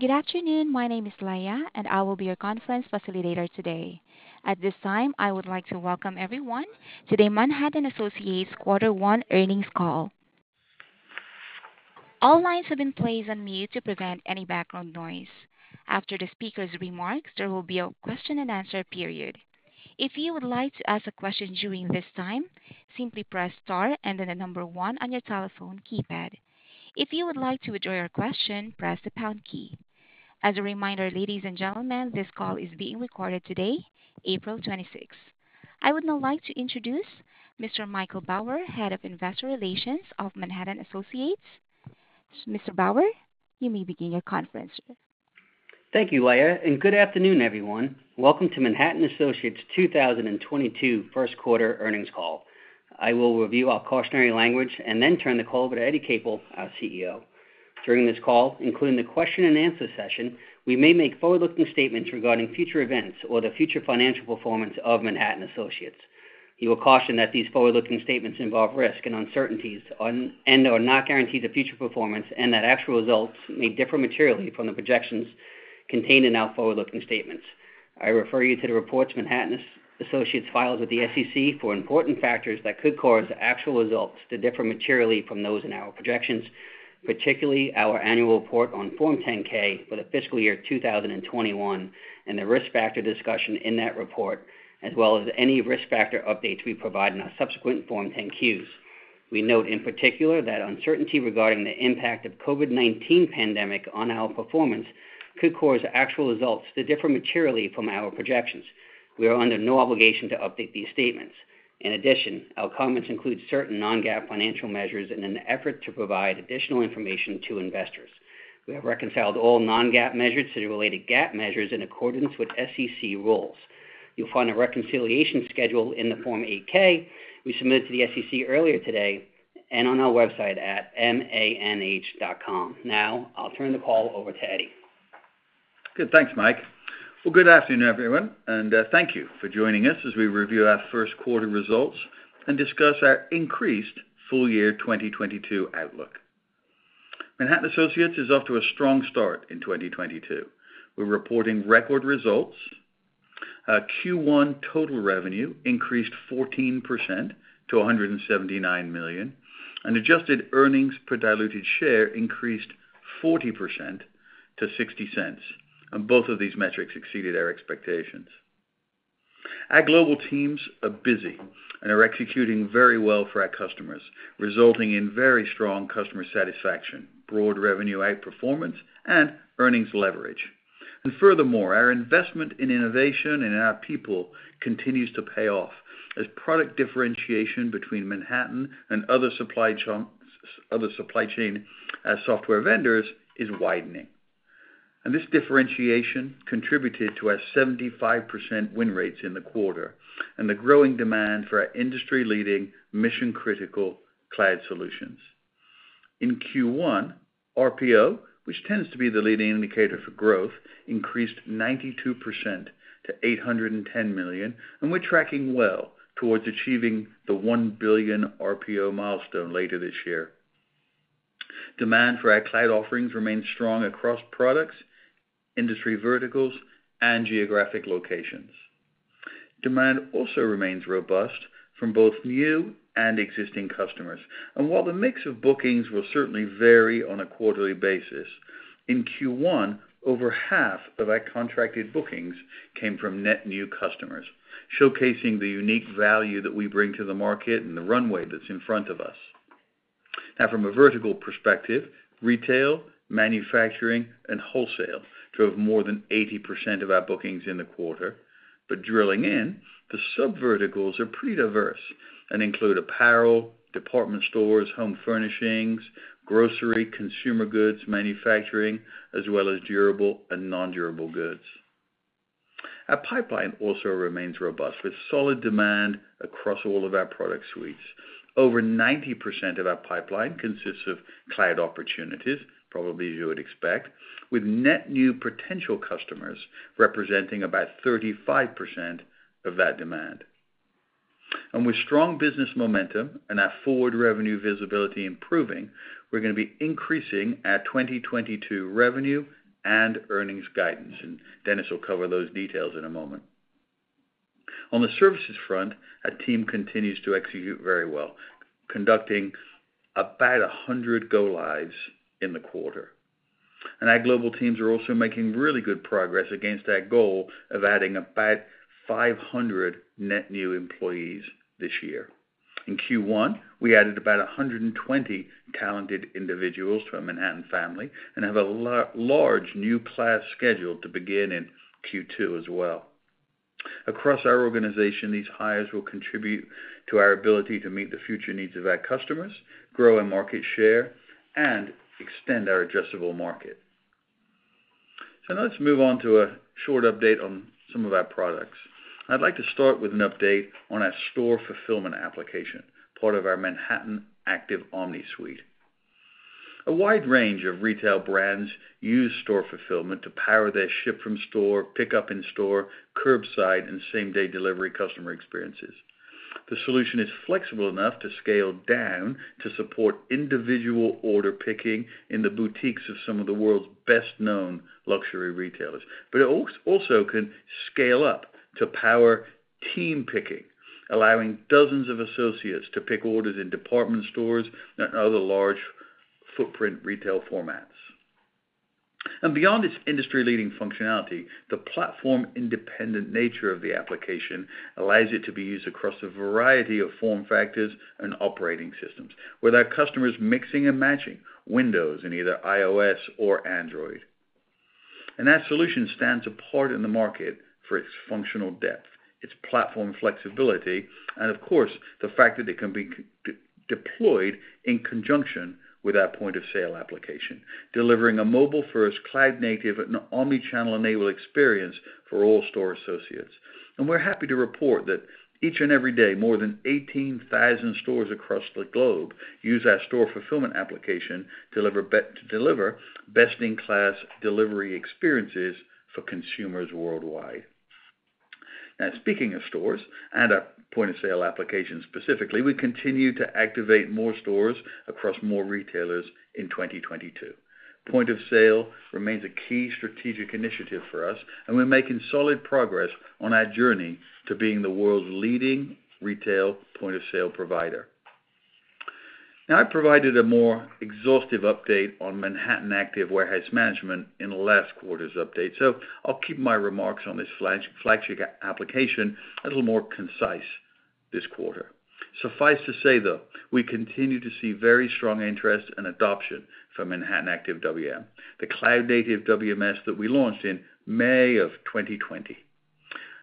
Good afternoon. My name is Leah, and I will be your conference facilitator today. At this time, I would like to welcome everyone to the Manhattan Associates Quarter One Earnings Call. All lines have been placed on mute to prevent any background noise. After the speaker's remarks, there will be a question-and-answer period. If you would like to ask a question during this time, simply press star and then one on your telephone keypad. If you would like to withdraw your question, press the pound key. As a reminder, ladies and gentlemen, this call is being recorded today, April 26th. I would now like to introduce Mr. Michael Bauer, head of investor relations of Manhattan Associates. Mr. Bauer, you may begin your conference. Thank you, Leah, and good afternoon, everyone. Welcome to Manhattan Associates 2022 First Quarter Earnings Call. I will review our cautionary language and then turn the call over to Eddie Capel, our CEO. During this call, including the question-and-answer session, we may make forward-looking statements regarding future events or the future financial performance of Manhattan Associates. We caution that these forward-looking statements involve risks and uncertainties and are not guarantees of future performance and that actual results may differ materially from the projections contained in our forward-looking statements. I refer you to the reports Manhattan Associates files with the SEC for important factors that could cause actual results to differ materially from those in our projections, particularly our annual report on Form 10-K for the fiscal year 2021 and the risk factor discussion in that report, as well as any risk factor updates we provide in our subsequent Form 10-Qs. We note in particular that uncertainty regarding the impact of COVID-19 pandemic on our performance could cause actual results to differ materially from our projections. We are under no obligation to update these statements. In addition, our comments include certain non-GAAP financial measures in an effort to provide additional information to investors. We have reconciled all non-GAAP measures to the related GAAP measures in accordance with SEC rules. You'll find a reconciliation schedule in the Form 8-K we submitted to the SEC earlier today and on our website at manh.com. Now I'll turn the call over to Eddie. Good. Thanks, Mike. Well, good afternoon, everyone, and thank you for joining us as we review our first quarter results and discuss our increased full year 2022 outlook. Manhattan Associates is off to a strong start in 2022. We're reporting record results. Q1 total revenue increased 14% to $179 million, and adjusted earnings per diluted share increased 40% to $0.60, and both of these metrics exceeded our expectations. Our global teams are busy and are executing very well for our customers, resulting in very strong customer satisfaction, broad revenue outperformance, and earnings leverage. Furthermore, our investment in innovation and our people continues to pay off as product differentiation between Manhattan and other supply chain software vendors is widening. This differentiation contributed to our 75%-win rates in the quarter and the growing demand for our industry-leading mission-critical cloud solutions. In Q1, RPO, which tends to be the leading indicator for growth, increased 92% to $810 million, and we're tracking well towards achieving the $1 billion RPO milestone later this year. Demand for our cloud offerings remains strong across products, industry verticals, and geographic locations. Demand also remains robust from both new and existing customers. While the mix of bookings will certainly vary on a quarterly basis, in Q1, over half of our contracted bookings came from net new customers, showcasing the unique value that we bring to the market and the runway that's in front of us. From a vertical perspective, retail, manufacturing, and wholesale drove more than 80% of our bookings in the quarter. Drilling in, the sub verticals are pretty diverse and include apparel, department stores, home furnishings, grocery, consumer goods, manufacturing, as well as durable and non-durable goods. Our pipeline also remains robust with solid demand across all of our product suites. Over 90% of our pipeline consists of cloud opportunities, probably as you would expect, with net new potential customers representing about 35% of that demand. With strong business momentum and our forward revenue visibility improving, we're gonna be increasing our 2022 revenue and earnings guidance, and Dennis will cover those details in a moment. On the services front, our team continues to execute very well, conducting about 100 go lives in the quarter. Our global teams are also making really good progress against our goal of adding about 500 net new employees this year. In Q1, we added about 120 talented individuals to our Manhattan family and have a large new class scheduled to begin in Q2 as well. Across our organization, these hires will contribute to our ability to meet the future needs of our customers, grow in market share, and extend our addressable market. Now let's move on to a short update on some of our products. I'd like to start with an update on our store fulfillment application, part of our Manhattan Active Omni suite. A wide range of retail brands use store fulfillment to power their ship from store, pickup in store, curbside, and same-day delivery customer experiences. The solution is flexible enough to scale down to support individual order picking in the boutiques of some of the world's best-known luxury retailers. It also can scale up to power team picking, allowing dozens of associates to pick orders in department stores and other large footprint retail formats. Beyond its industry-leading functionality, the platform-independent nature of the application allows it to be used across a variety of form factors and operating systems, with our customers mixing and matching Windows on either iOS or Android. That solution stands apart in the market for its functional depth, its platform flexibility, and of course, the fact that it can be deployed in conjunction with our point-of-sale application, delivering a mobile-first, cloud-native, and omni-channel-enabled experience for all store associates. We're happy to report that each and every day, more than 18,000 stores across the globe use our store fulfillment application to deliver best-in-class delivery experiences for consumers worldwide. Now, speaking of stores and our point-of-sale application specifically, we continue to activate more stores across more retailers in 2022. Point of sale remains a key strategic initiative for us, and we're making solid progress on our journey to being the world's leading retail point of sale provider. Now I provided a more exhaustive update on Manhattan Active Warehouse Management in last quarter's update, so I'll keep my remarks on this flagship application a little more concise this quarter. Suffice to say, though, we continue to see very strong interest and adoption for Manhattan Active WM, the cloud-native WMS that we launched in May of 2020.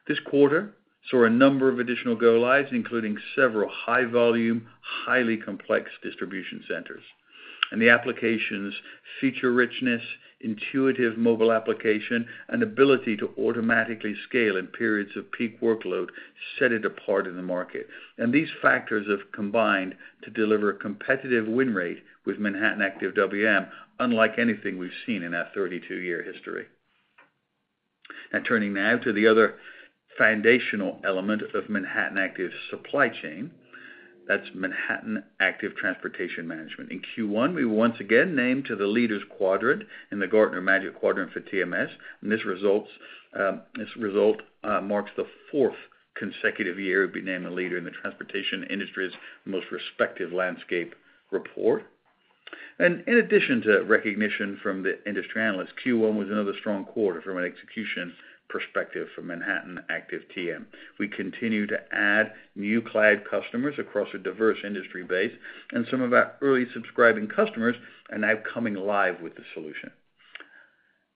This quarter saw a number of additional go-lives, including several high-volume, highly complex distribution centers. The application's feature richness, intuitive mobile application, and ability to automatically scale in periods of peak workload set it apart in the market. These factors have combined to deliver a competitive win rate with Manhattan Active WM; unlike anything we've seen in our 32-year history. Now turning to the other foundational element of Manhattan Active's supply chain, that's Manhattan Active Transportation Management. In Q1, we were once again named to the Leaders Quadrant in the Gartner Magic Quadrant for TMS, and this result marks the fourth consecutive year we've been named a leader in the transportation industry's most respected landscape report. In addition to recognition from the industry analysts, Q1 was another strong quarter from an execution perspective for Manhattan Active TM. We continue to add new cloud customers across a diverse industry base, and some of our early subscribing customers are now coming live with the solution.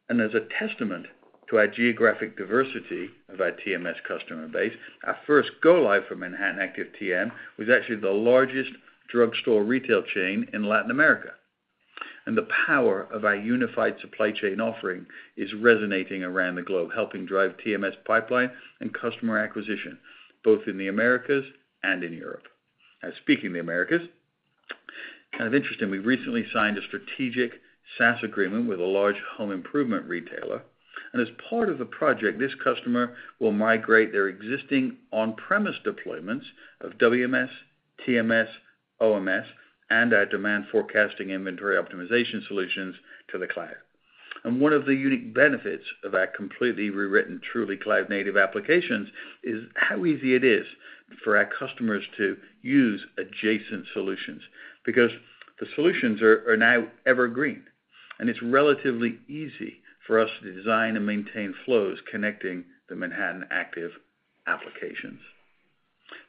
As a testament to our geographic diversity of our TMS customer base, our first go-live for Manhattan Active TM was actually the largest drugstore retail chain in Latin America. The power of our unified supply chain offering is resonating around the globe, helping drive TMS pipeline and customer acquisition, both in the Americas and in Europe. Now speaking of the Americas, kind of interesting, we recently signed a strategic SaaS agreement with a large home improvement retailer, and as part of the project, this customer will migrate their existing on-premises deployments of WMS, TMS, OMS, and our demand forecasting inventory optimization solutions to the cloud. One of the unique benefits of our completely rewritten, truly cloud-native applications is how easy it is for our customers to use adjacent solutions because the solutions are now evergreen, and it's relatively easy for us to design and maintain flows connecting the Manhattan Active Applications.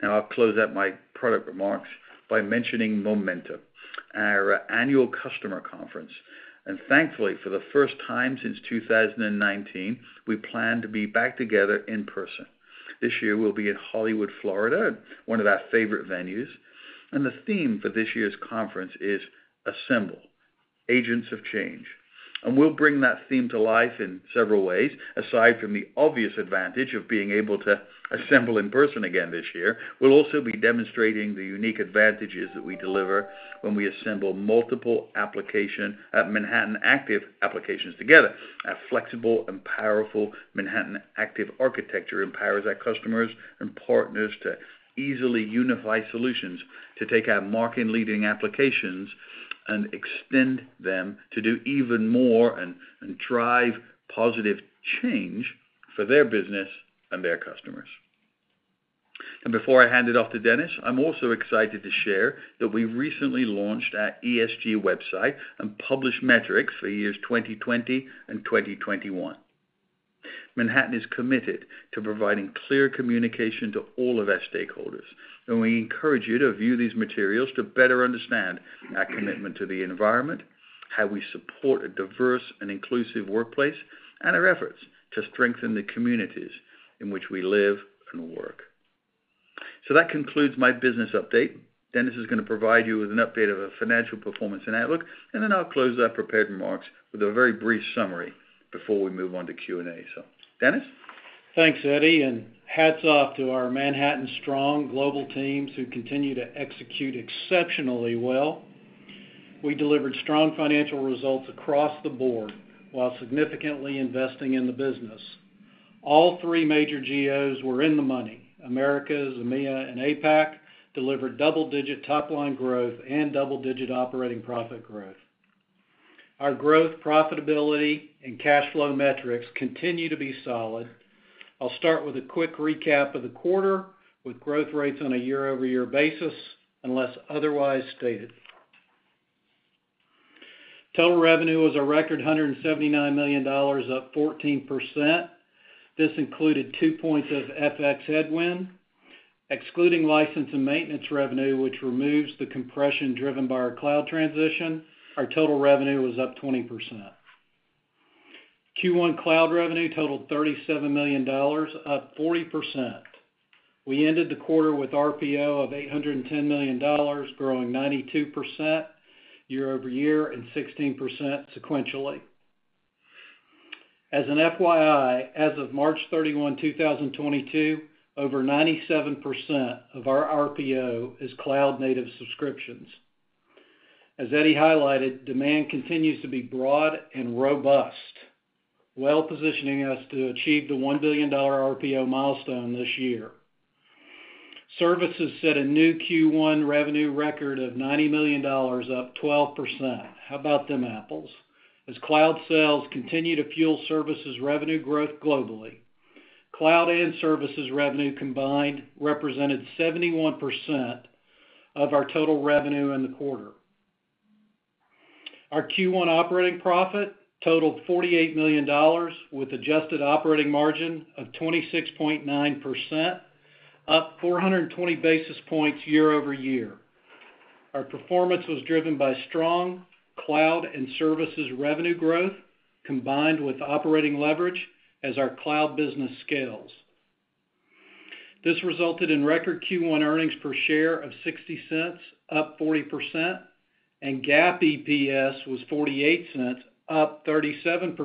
Now I'll close out my product remarks by mentioning Momentum, our annual customer conference. Thankfully, for the first time since 2019, we plan to be back together in person. This year, we'll be in Hollywood, Florida, at one of our favorite venues. The theme for this year's conference is Assemble: Agents of Change. We'll bring that theme to life in several ways. Aside from the obvious advantage of being able to assemble in person again this year, we'll also be demonstrating the unique advantages that we deliver when we assemble multiple application Manhattan Active Applications together. Our flexible and powerful Manhattan Active architecture empowers our customers and partners to easily unify solutions to take our market-leading applications and extend them to do even more and drive positive change for their business and their customers. Before I hand it off to Dennis, I'm also excited to share that we recently launched our ESG website and published metrics for years 2020 and 2021. Manhattan is committed to providing clear communication to all of our stakeholders, and we encourage you to view these materials to better understand our commitment to the environment, how we support a diverse and inclusive workplace, and our efforts to strengthen the communities in which we live and work. That concludes my business update. Dennis is gonna provide you with an update of our financial performance and outlook, and then I'll close our prepared remarks with a very brief summary before we move on to Q&A. Dennis? Thanks, Eddie, and hats off to our Manhattan's strong global teams who continue to execute exceptionally well. We delivered strong financial results across the board while significantly investing in the business. All three major geos were in the money. Americas, EMEA, and APAC delivered double-digit top-line growth and double-digit operating profit growth. Our growth, profitability, and cash flow metrics continue to be solid. I'll start with a quick recap of the quarter with growth rates on a year-over-year basis unless otherwise stated. Total revenue was a record $179 million, up 14%. This included 2 points of FX headwind. Excluding license and maintenance revenue, which removes the compression driven by our cloud transition, our total revenue was up 20%. Q1 cloud revenue totaled $37 million, up 40%. We ended the quarter with RPO of $810 million, growing 92% year-over-year and 16% sequentially. As an FYI, as of March 31, 2022, over 97% of our RPO is cloud-native subscriptions. As Eddie highlighted, demand continues to be broad and robust, well positioning us to achieve the $1 billion RPO milestone this year. Services set a new Q1 revenue record of $90 million, up 12%. How about them apples? As cloud sales continue to fuel services revenue growth globally, cloud and services revenue combined represented 71% of our total revenue in the quarter. Our Q1 operating profit totaled $48 million, with adjusted operating margin of 26.9%, up 420 basis points year-over-year. Our performance was driven by strong cloud and services revenue growth, combined with operating leverage as our cloud business scales. This resulted in record Q1 earnings per share of $0.60, up 40%, and GAAP EPS was $0.48, up 37%.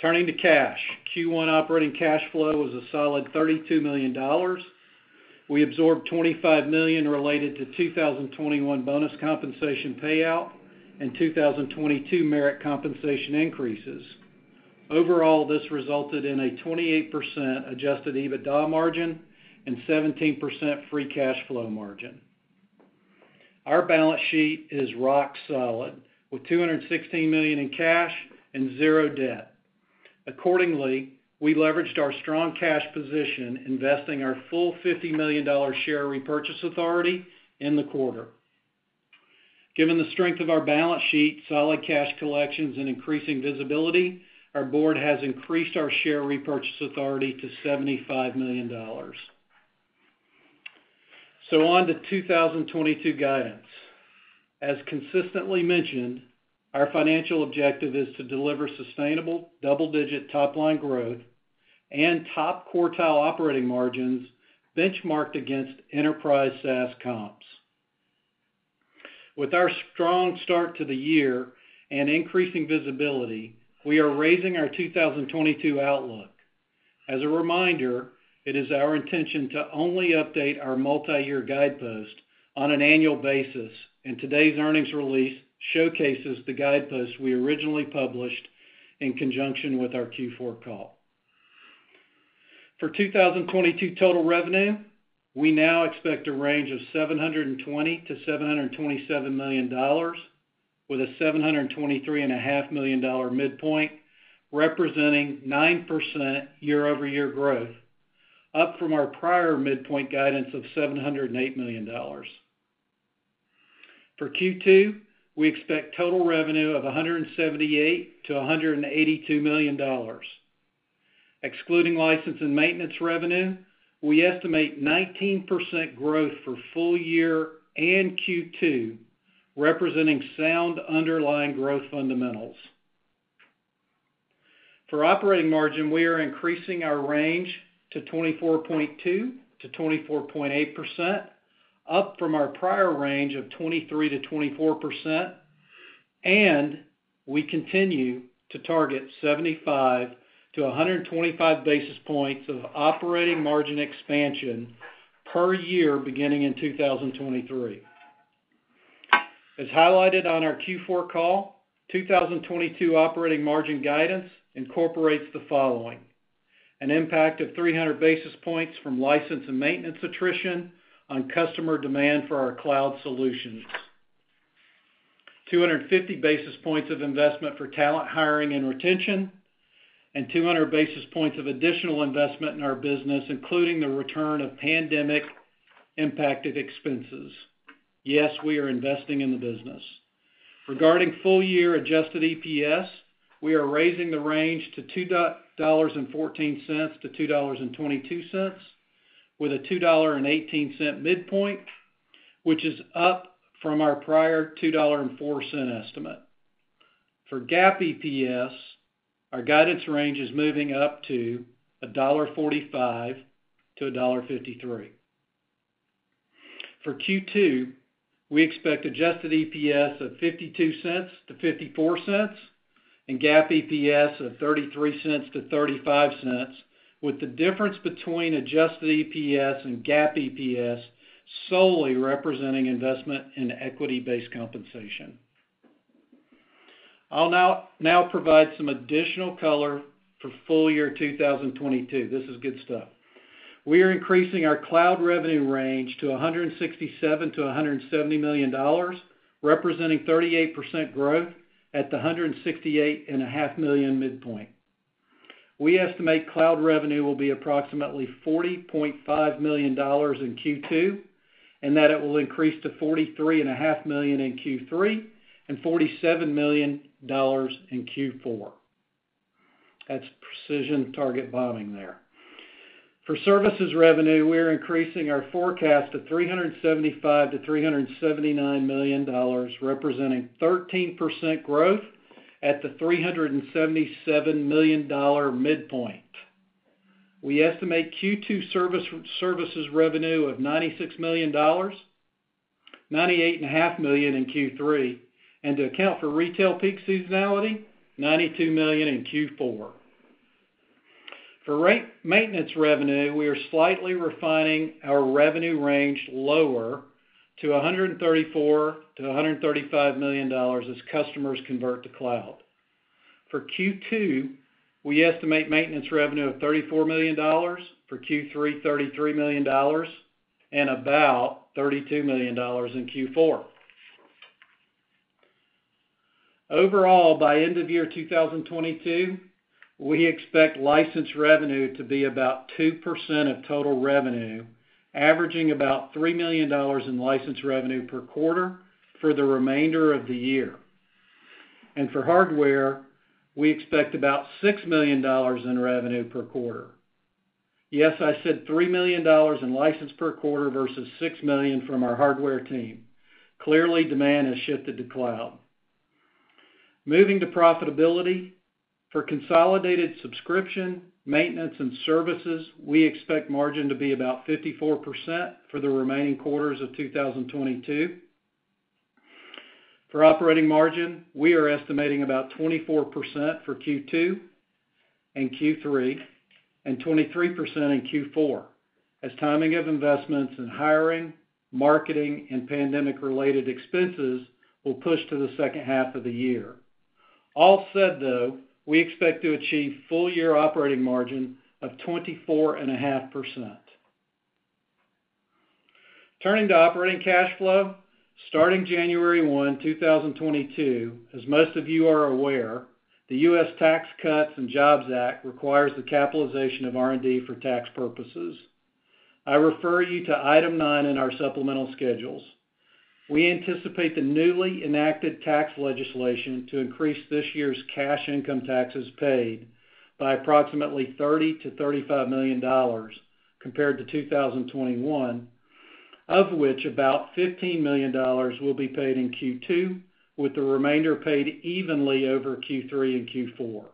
Turning to cash. Q1 operating cash flow was a solid $32 million. We absorbed $25 million related to 2021 bonus compensation payout and 2022 merit compensation increases. Overall, this resulted in a 28% adjusted EBITDA margin and 17% Free Cash Flow margin. Our balance sheet is rock solid, with $216 million in cash and 0 debt. Accordingly, we leveraged our strong cash position, investing our full $50 million share repurchase authority in the quarter. Given the strength of our balance sheet, solid cash collections, and increasing visibility, our board has increased our share repurchase authority to $75 million. On to 2022 guidance. As consistently mentioned, our financial objective is to deliver sustainable double-digit top-line growth and top quartile operating margins benchmarked against enterprise SaaS comps. With our strong start to the year and increasing visibility, we are raising our 2022 outlook. As a reminder, it is our intention to only update our multiyear guidepost on an annual basis, and today's earnings release showcases the guideposts we originally published in conjunction with our Q4 call. For 2022 total revenue, we now expect a range of $720 million-$727 million with a $723.5 million midpoint, representing 9% year-over-year growth, up from our prior midpoint guidance of $708 million. For Q2, we expect total revenue of $178 million-$182 million. Excluding license and maintenance revenue, we estimate 19% growth for full year and Q2, representing sound underlying growth fundamentals. For operating margin, we are increasing our range to 24.2%-24.8%, up from our prior range of 23%-24%, and we continue to target 75 basis points-125 basis points of operating margin expansion per year beginning in 2023. As highlighted on our Q4 call, 2022 operating margin guidance incorporates the following. An impact of 300 basis points from license and maintenance attrition on customer demand for our cloud solutions. 250 basis points of investment for talent hiring and retention, and 200 basis points of additional investment in our business, including the return of pandemic-impacted expenses. Yes, we are investing in the business. Regarding full year adjusted EPS, we are raising the range to $2.14-$2.22 with a $2.18 midpoint, which is up from our prior $2.04 estimate. For GAAP EPS, our guidance range is moving up to $1.45-$1.53. For Q2, we expect adjusted EPS of $0.52-$0.54. GAAP EPS of $0.33-$0.35, with the difference between adjusted EPS and GAAP EPS solely representing investment in equity-based compensation. I'll now provide some additional color for full year 2022. This is good stuff. We are increasing our cloud revenue range to $167 million-$170 million, representing 38% growth at the $168.5 million midpoint. We estimate cloud revenue will be approximately $40.5 million in Q2, and that it will increase to $43.5 million in Q3, and $47 million in Q4. That's precision target bombing there. For services revenue, we are increasing our forecast to $375 million-$379 million, representing 13% growth at the $377 million midpoint. We estimate Q2 services revenue of $96 million, $98.5 million in Q3, and to account for retail peak seasonality, $92 million in Q4. For maintenance revenue, we are slightly refining our revenue range lower to $134 million-$135 million as customers convert to cloud. For Q2, we estimate maintenance revenue of $34 million. For Q3, $33 million, and about $32 million in Q4. Overall, by end of 2022, we expect license revenue to be about 2% of total revenue, averaging about $3 million in license revenue per quarter for the remainder of the year. For hardware, we expect about $6 million in revenue per quarter. Yes, I said $3 million in license per quarter versus $6 million from our hardware team. Clearly, demand has shifted to cloud. Moving to profitability. For consolidated subscription, maintenance, and services, we expect margin to be about 54% for the remaining quarters of 2022. For operating margin, we are estimating about 24% for Q2 and Q3, and 23% in Q4, as timing of investments in hiring, marketing, and pandemic-related expenses will push to the second half of the year. All said, though, we expect to achieve full year operating margin of 24.5%. Turning to operating cash flow. Starting January 1, 2022, as most of you are aware, the U.S. Tax Cuts and Jobs Act require the capitalization of R&D for tax purposes. I refer you to item nine in our supplemental schedules. We anticipate the newly enacted tax legislation to increase this year's cash income taxes paid by approximately $30 million-$35 million compared to 2021, of which about $15 million will be paid in Q2, with the remainder paid evenly over Q3 and Q4.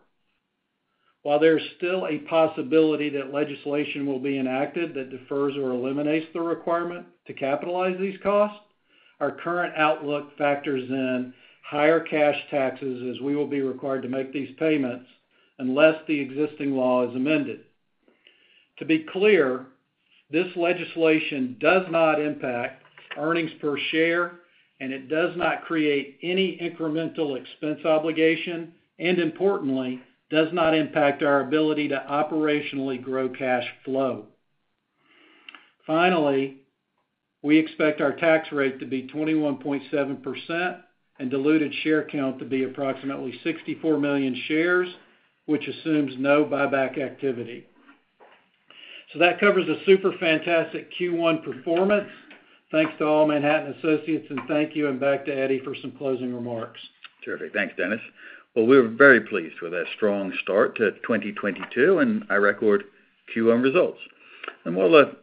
While there's still a possibility that legislation will be enacted that defers or eliminates the requirement to capitalize these costs, our current outlook factors in higher cash taxes as we will be required to make these payments unless the existing law is amended. To be clear, this legislation does not impact earnings per share, and it does not create any incremental expense obligation, and importantly, does not impact our ability to operationally grow cash flow. Finally, we expect our tax rate to be 21.7% and diluted share count to be approximately 64 million shares, which assumes no buyback activity. That covers a super fantastic Q1 performance. Thanks to all Manhattan Associates, and thank you, and back to Eddie for some closing remarks. Terrific. Thanks, Dennis. Well, we're very pleased with that strong start to 2022 and our record Q1 results. While the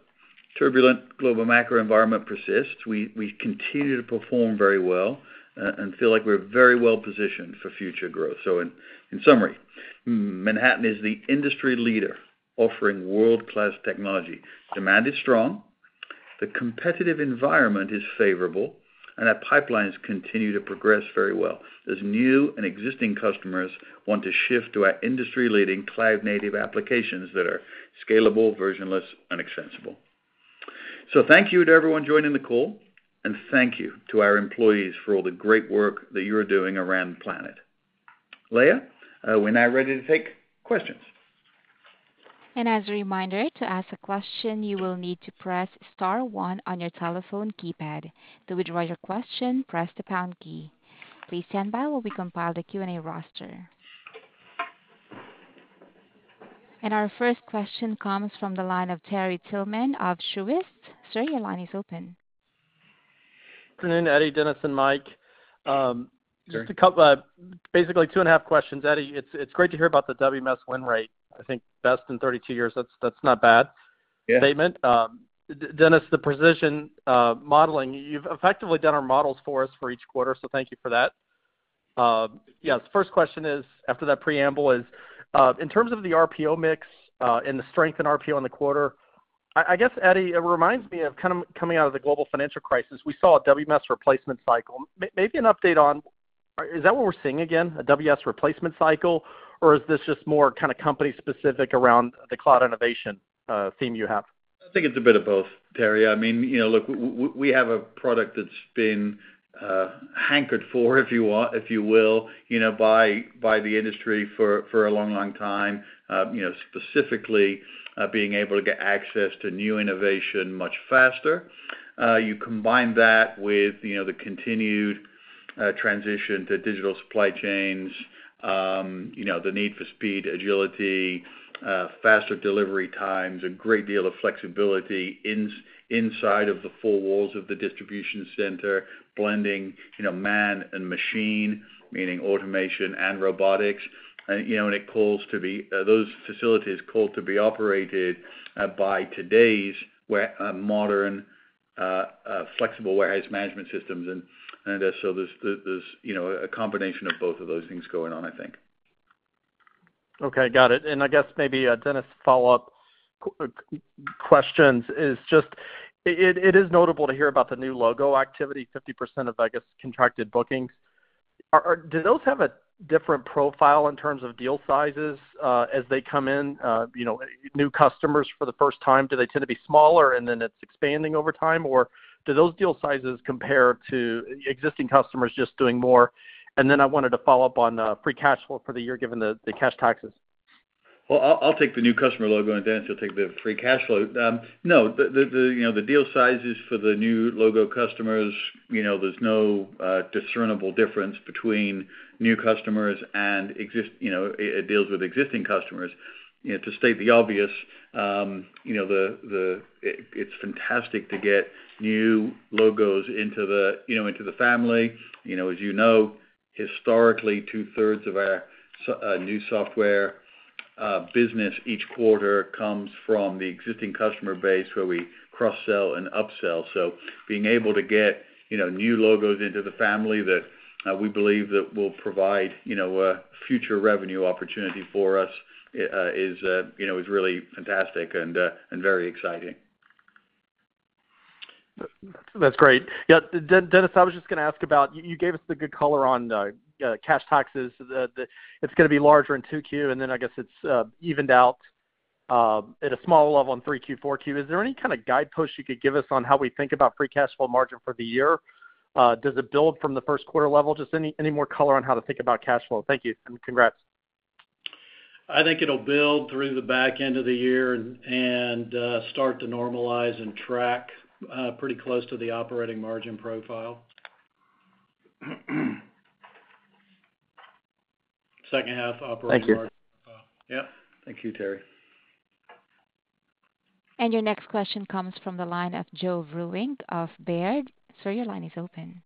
turbulent global macro environment persists, we continue to perform very well and feel like we're very well-positioned for future growth. In summary, Manhattan is the industry leader offering world-class technology. Demand is strong, the competitive environment is favorable, and our pipelines continue to progress very well as new and existing customers want to shift to our industry-leading cloud-native applications that are scalable, version-less, and extensible. Thank you to everyone joining the call and thank you to our employees for all the great work that you're doing around the planet. Leah, we're now ready to take questions. As a reminder, to ask a question, you will need to press star one on your telephone keypad. To withdraw your question, press the pound key. Please stand by while we compile the Q&A roster. Our first question comes from the line of Terry Tillman of Truist. Sir, your line is open. Good afternoon, Eddie, Dennis, and Mike. Just a couple, basically 2.5 questions. Eddie, it's great to hear about the WMS win rate. I think best in 32 years. That's not a bad. Yeah. Statement. Dennis, the precision modeling, you've effectively done our models for us for each quarter. Thank you for that. Yeah. The first question is, after that preamble is, in terms of the RPO mix, and the strength in RPO in the quarter, I guess, Eddie, it reminds me of kind of coming out of the global financial crisis, we saw a WMS replacement cycle. Maybe an update on, is that what we're seeing again, a WMS replacement cycle? Or is this just more kind of company specific around the cloud innovation theme you have? I think it's a bit of both, Terry. I mean, you know, look, we have a product that's been hankered for, if you will, you know, by the industry for a long time, specifically being able to get access to new innovation much faster. You combine that with, you know, the continued transition to digital supply chains, you know, the need for speed, agility, faster delivery times, a great deal of flexibility inside of the four walls of the Distribution Center, blending, you know, man and machine, meaning automation and robotics. Those facilities called to be operated by today's Modern Flexible Warehouse Management Systems. So, there's a combination of both of those things going on, I think. Okay. Got it. I guess maybe, Dennis, follow-up questions is just, it is notable to hear about the new logo activity, 50% of, I guess, contracted bookings. Do those have a different profile in terms of deal sizes, as they come in, you know, new customers for the first time? Do they tend to be smaller, and then it's expanding over time? Or do those deal sizes compare to existing customers just doing more? I wanted to follow up on free cash flow for the year, given the cash taxes. Well, I'll take the new customer logo, and Dennis will take the free cash flow. No. The deal sizes for the new logo customers, you know, there's no discernible difference between new customers and deals with existing customers. You know, to state the obvious, you know, it's fantastic to get new logos into the family. You know, as you know, historically, 2/3 of our new software business each quarter comes from the existing customer base where we cross-sell and upsell. Being able to get new logos into the family that we believe will provide future revenue opportunity for us is really fantastic and very exciting. That's great. Yeah. Dennis, I was just gonna ask about. You gave us the good color on cash taxes, it's gonna be larger in 2Q, and then I guess it's evened out at a smaller level in 3Q, 4Q. Is there any kind of guidepost you could give us on how we think about free cash flow margin for the year? Does it build from the first quarter level? Just any more color on how to think about cash flow. Thank you, and congrats. I think it'll build through the back end of the year and start to normalize and track pretty close to the operating margin profile. Second half operating margin profile. Thank you. Yeah. Thank you, Terry. Your next question comes from the line of Joe Vruwink of Baird. Sir, your line is open.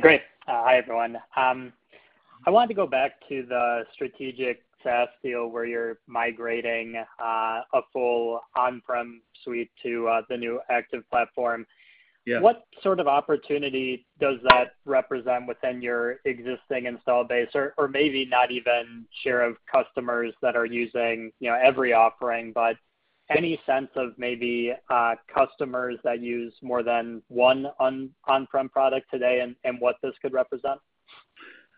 Great. Hi, everyone. I wanted to go back to the strategic SaaS deal where you're migrating a full on-prem suite to the new Active platform. Yeah. What sort of opportunity does that represent within your existing installed base? Or maybe not even share of customers that are using, you know, every offering, but any sense of maybe customers that use more than one on-prem product today and what this could represent?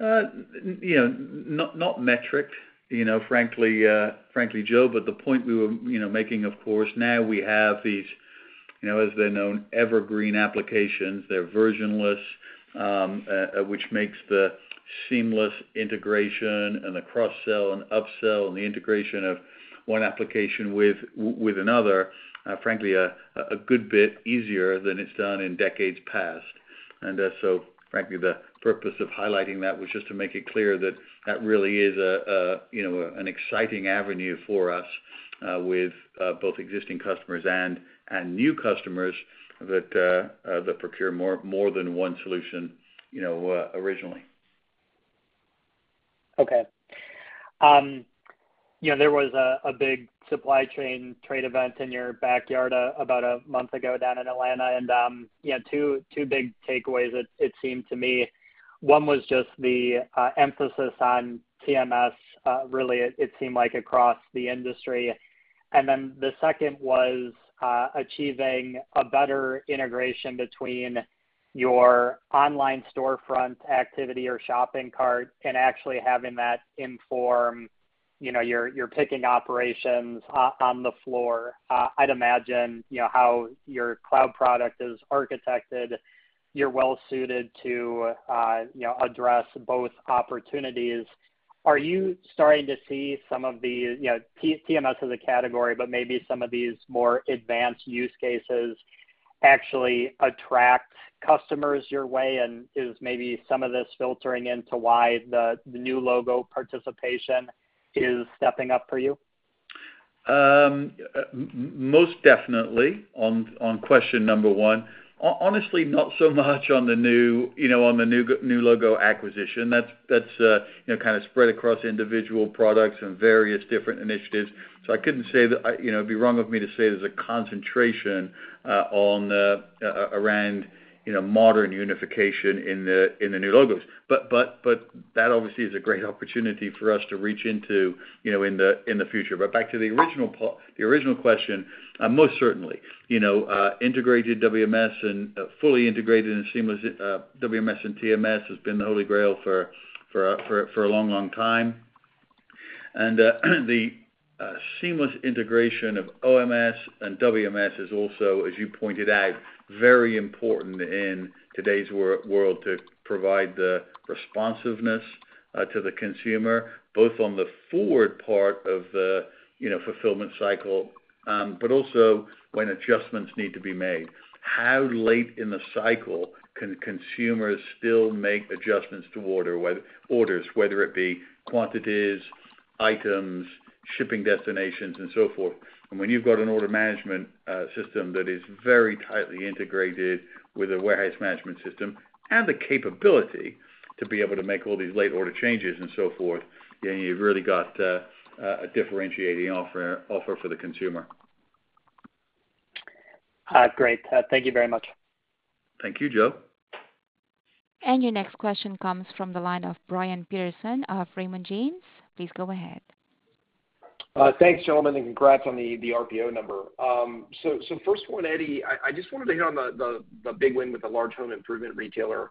You know, not metric, you know, frankly, Joe, but the point we were making, of course, now we have these, you know, as they're known, evergreen applications. They're version-less, which makes the seamless integration, and the cross-sell and upsell, and the integration of one application with another, frankly a good bit easier than it's done in decades past. Frankly, the purpose of highlighting that was just to make it clear that that really is a, you know, an exciting avenue for us, with both existing customers and new customers that procure more than one solution, you know, originally. Okay. You know, there was a big supply chain trade event in your backyard about a month ago down in Atlanta, and you had two big takeaways, it seemed to me. One was just the emphasis on TMS, really, it seemed like across the industry. Then the second was achieving a better integration between your online storefront activity or shopping cart, and actually having that inform, you know, you're picking operations on the floor. I'd imagine, you know, how your cloud product is architected, you're well suited to, you know, address both opportunities. Are you starting to see some of these, you know, TMS as a category, but maybe some of these more advanced use cases actually attract customers your way, and is maybe some of this filtering into why the new logo participation is stepping up for you? Most definitely on question number one. Honestly, not so much on the new logo acquisition. That's, you know, kind of spread across individual products and various different initiatives. I couldn't say that. You know, it'd be wrong of me to say there's a concentration on, around, you know, modern unification in the new logos. That obviously is a great opportunity for us to reach into, you know, in the future. Back to the original question, most certainly. You know, integrated WMS and fully integrated and seamless WMS and TMS has been the holy grail for a long time. The seamless integration of OMS and WMS is also, as you pointed out, very important in today's world to provide the responsiveness to the consumer, both on the forward part of the, you know, fulfillment cycle, but also when adjustments need to be made. How late in the cycle can consumers still make adjustments to orders, whether it be quantities, items, shipping destinations, and so forth. When you've got an order management system that is very tightly integrated with a Warehouse Management System and the capability to be able to make all these late order changes and so forth, then you've really got a differentiating offer for the consumer. Great. Thank you very much. Thank you, Joe. Your next question comes from the line of Brian Peterson of Raymond James. Please go ahead. Thanks, gentlemen, and congrats on the RPO number. First one, Eddie, I just wanted to hit on the big win with the large home improvement retailer.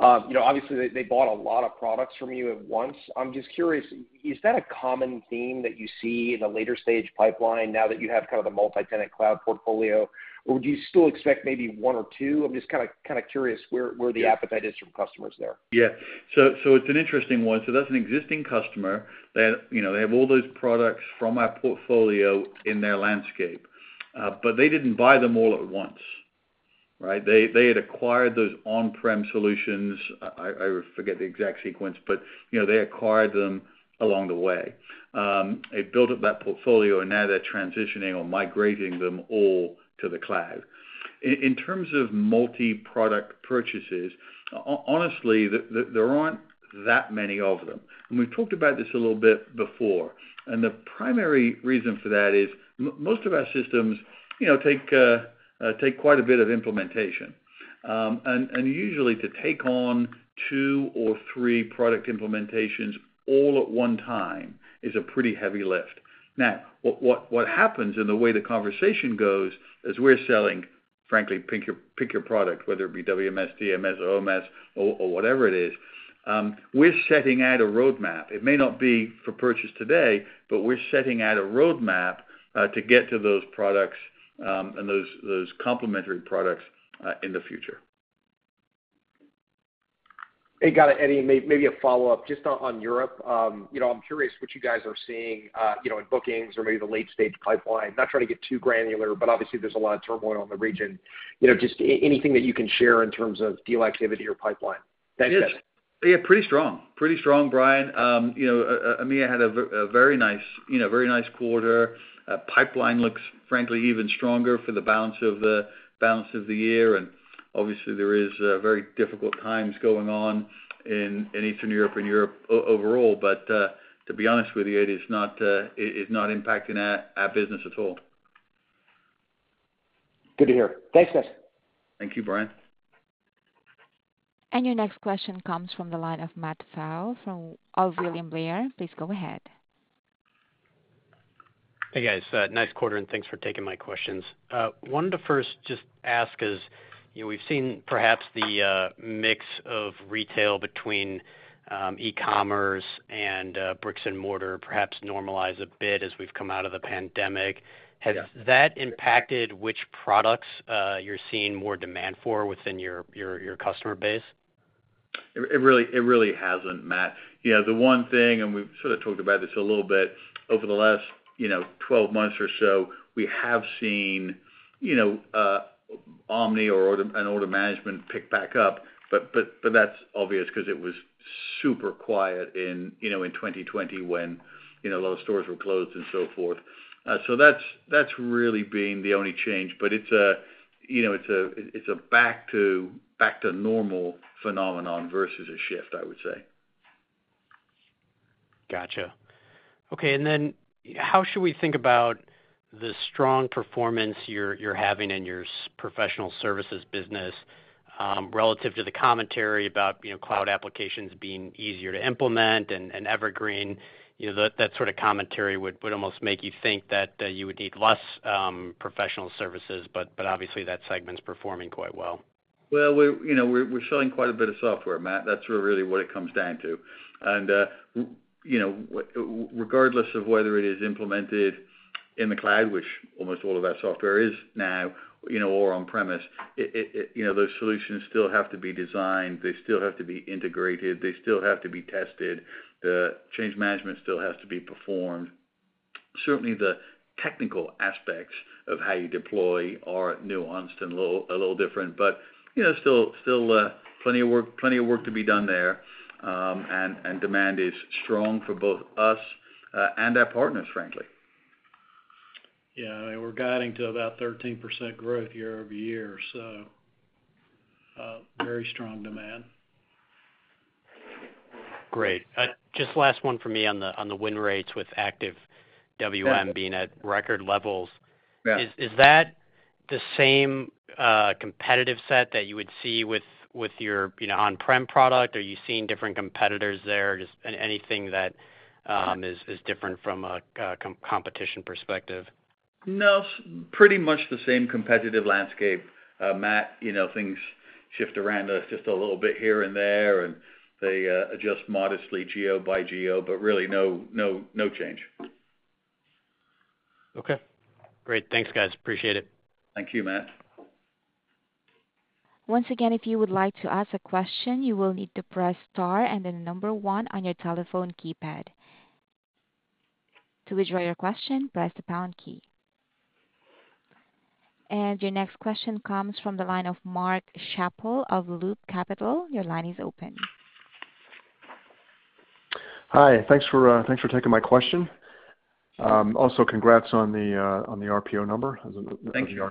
You know, obviously, they bought a lot of products from you at once. I'm just curious, is that a common theme that you see in the later stage pipeline now that you have kind of the multi-tenant cloud portfolio? Or do you still expect maybe one or two? I'm just kinda curious where the appetite is from customers there. Yeah. It's an interesting one. That's an existing customer that, you know, they have all those products from our portfolio in their landscape. But they didn't buy them all at once, right? They had acquired those on-prem solutions. I forget the exact sequence, but, you know, they acquired them along the way. They built up that portfolio, and now they're transitioning or migrating them all to the cloud. In terms of multi-product purchases, honestly, there aren't that many of them. We've talked about this a little bit before. The primary reason for that is most of our systems, you know, take quite a bit of implementation. Usually, to take on two or three product implementations all at one time is a pretty heavy lift. Now, what happens and the way the conversation goes as we're selling, frankly, pick your product, whether it be WMS, TMS or OMS or whatever it is, we're setting out a roadmap. It may not be for purchase today, but we're setting out a roadmap to get to those products and those complementary products in the future. Hey, got it. Eddie, maybe a follow-up just on Europe. You know, I'm curious what you guys are seeing, you know, in bookings or maybe the late-stage pipeline. Not trying to get too granular, but obviously, there's a lot of turmoil in the region. You know, just anything that you can share in terms of deal activity or pipeline. Thanks, guys. Yes. Yeah, pretty strong, Brian. You know, EMEA had a very nice, you know, quarter. Pipeline looks frankly even stronger for the balance of the year. Obviously, there is very difficult times going on in Eastern Europe and Europe overall. To be honest with you, it is not impacting our business at all. Good to hear. Thanks, guys. Thank you, Brian. Your next question comes from the line of Matt Pfau from William Blair. Please go ahead. Hey, guys. Nice quarter, and thanks for taking my questions. I wanted to first just ask if, you know, we've seen perhaps the mix of retail between e-commerce and bricks and mortar perhaps normalize a bit as we've come out of the pandemic. Yeah. Has that impacted which products you're seeing more demand for within your customer base? It really hasn't, Matt. You know, the one thing, and we've sort of talked about this a little bit, over the last 12 months or so. We have seen, you know, omni or order management pick back up. But that's obvious cause it was super quiet in 2020 when a lot of stores were closed and so forth. So that's really been the only change. But it's a, you know, back to normal phenomenon versus a shift, I would say. Gotcha. Okay. How should we think about the strong performance you're having in your professional services business, relative to the commentary about, you know, cloud applications being easier to implement and evergreen. You know that sort of commentary would almost make you think that you would need less professional services, but obviously, that segment's performing quite well. We, you know, we're selling quite a bit of software, Matt. That's really what it comes down to. Regardless of whether it is implemented in the cloud, which almost all of our software is now, you know, or on premises, it you know, those solutions still have to be designed. They still have to be integrated. They still have to be tested. The change management still has to be performed. Certainly, the technical aspects of how you deploy are nuanced and a little different. You know, still plenty of work to be done there. Demand is strong for both us and our partners, frankly. Yeah. We're guiding to about 13% growth year-over-year, so very strong demand. Great. Just last one for me on the win rates with Active WM being at record levels. Yeah. Is that the same competitive set that you would see with your, you know, on-prem product? Are you seeing different competitors there? Just anything that is different from a competition perspective? No, pretty much the same competitive landscape, Matt, you know, things shift around just a little bit here and there, and they adjust modestly geo by geo, but really no change. Okay, great. Thanks, guys. Appreciate it. Thank you, Matt. Once again, if you would like to ask a question, you will need to press star and then one on your telephone keypad. To withdraw your question, press the pound key. Your next question comes from the line of Mark Schappel of Loop Capital. Your line is open. Hi. Thanks for taking my question. Also, congrats on the RPO number. Thank you.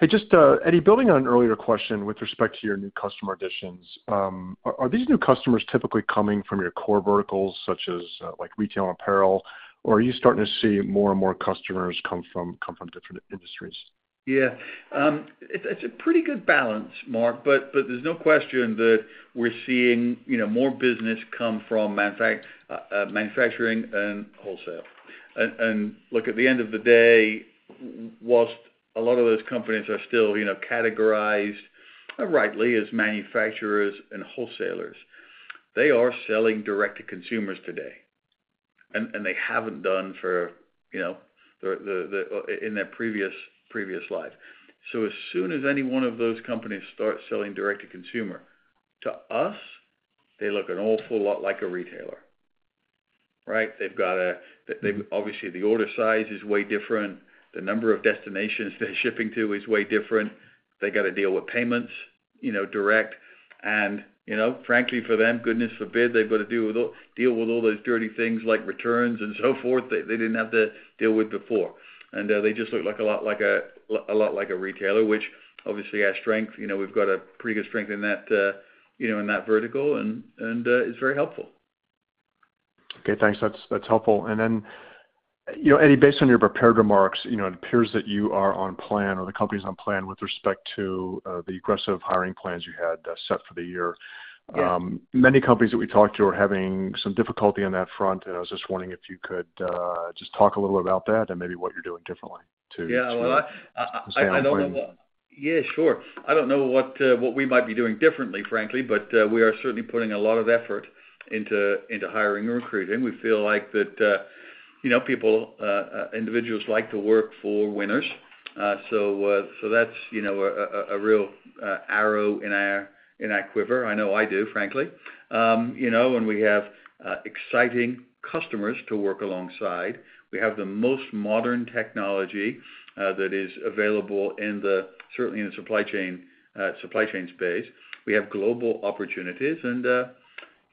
Hey, just Eddie, building on an earlier question with respect to your new customer additions, are these new customers typically coming from your core verticals such as like retail apparel, or are you starting to see more and more customers come from different industries? Yeah. It's a pretty good balance, Mark, but there's no question that we're seeing, you know, more business come from manufacturing and wholesale. Look, at the end of the day, while a lot of those companies are still, you know, categorized, rightly, as manufacturers and wholesalers, they are selling direct to consumers today, and they haven't done for, you know, in their previous life. As soon as any one of those companies start selling direct to consumer, to us, they look an awful lot like a retailer, right? Obviously, the order size is way different. The number of destinations they're shipping to is way different. They gotta deal with payments, you know, direct. You know, frankly, for them, goodness forbids, they've got to deal with all those dirty things like returns and so forth they didn't have to deal with before. They just look a lot like a retailer, which obviously our strength, you know, we've got a pretty good strength in that, you know, in that vertical and it's very helpful. Okay, thanks. That's helpful. You know, Eddie, based on your prepared remarks, you know, it appears that you are on plan or the company's on plan with respect to the aggressive hiring plans you had set for the year. Yes. Many companies that we talked to are having some difficulty on that front, and I was just wondering if you could just talk a little about that and maybe what you're doing differently to. Yeah. Well, I don't know. To stay on plan. Yeah, sure. I don't know what we might be doing differently, frankly, but we are certainly putting a lot of effort into hiring and recruiting. We feel like that, you know, people, individuals like to work for winners. That's, you know, a real arrow in our quiver. I know I do, frankly. You know, we have exciting customers to work alongside. We have the most modern technology that is available, certainly in the supply chain space. We have global opportunities and,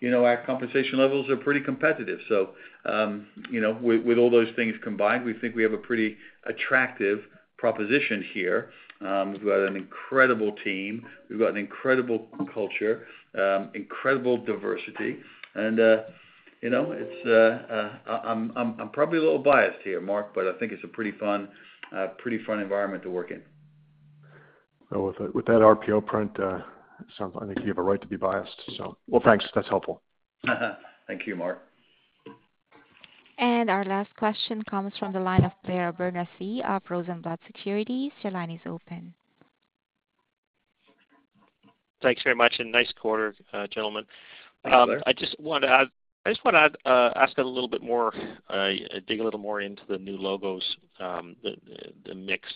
you know, our compensation levels are pretty competitive. You know, with all those things combined, we think we have a pretty attractive proposition here. We've got an incredible team. We've got an incredible culture, incredible diversity. You know, I'm probably a little biased here, Mark, but I think it's a pretty fun environment to work in. Well, with that RPO print, sounds like you have a right to be biased. Well, thanks. That's helpful. Thank you, Mark. Our last question comes from the line of Blair Abernethy of Rosenblatt Securities. Your line is open. Thanks very much, and nice quarter, gentlemen. Thanks, Blair. I just wanna add, ask a little bit more, dig a little more into the new logos, the mix.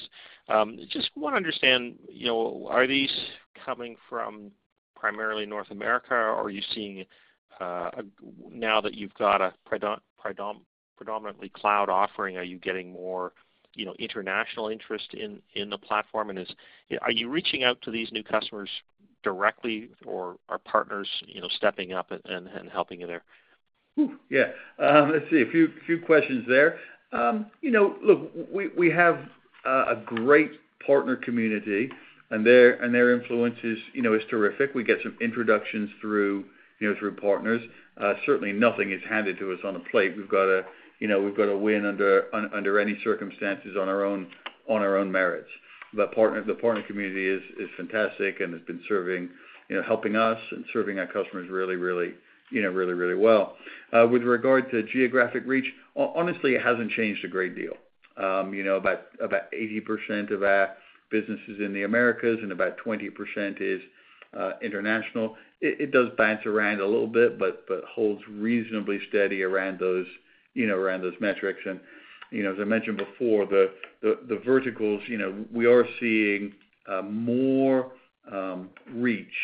Just wanna understand, you know, are these coming from primarily North America, or are you seeing, now that you've got a predominantly cloud offering, are you getting more, you know, international interest in the platform? Are you reaching out to these new customers directly, or are partners, you know, stepping up and helping you there? Yeah. Let's see, a few questions there. You know, look, we have a great partner community, and their influence is, you know, terrific. We get some introductions through, you know, partners. Certainly nothing is handed to us on a plate. We've got to, you know, win under any circumstances on our own merits. The partner community is fantastic and has been serving, you know, helping us and serving our customers really well. With regard to geographic reach, honestly, it hasn't changed a great deal. You know, about 80% of our business is in the Americas, and about 20% is international. It does bounce around a little bit, but holds reasonably steady around those, you know, around those metrics. You know, as I mentioned before, the verticals, you know, we are seeing more reach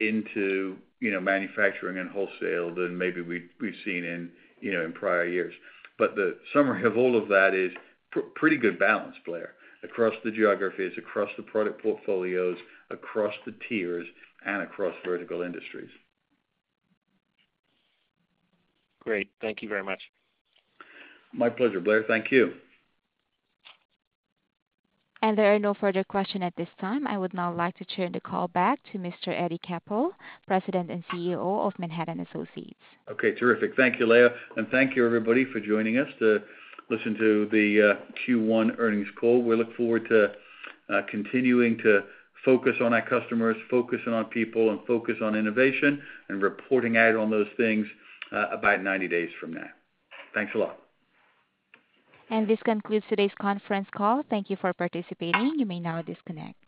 into, you know, manufacturing and wholesale than maybe we've seen in, you know, in prior years. The summary of all of that is pretty good balance, Blair, across the geographies, across the product portfolios, across the tiers, and across vertical industries. Great. Thank you very much. My pleasure, Blair. Thank you. There are no further questions at this time. I would now like to turn the call back to Mr. Eddie Capel, President and CEO of Manhattan Associates. Okay, terrific. Thank you, Leah. Thank you, everybody, for joining us to listen to the Q1 earnings call. We look forward to continuing to focus on our customers, focusing on people and focus on innovation and reporting out on those things, about 90 days from now. Thanks a lot. This concludes today's conference call. Thank you for participating. You may now disconnect.